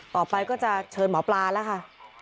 ต่อไปก็จะเชิญหมอปลาแล้วค่ะ